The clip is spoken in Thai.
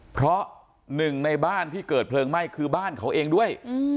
เพราะหนึ่งในบ้านที่เกิดเพลิงไหม้คือบ้านเขาเองด้วย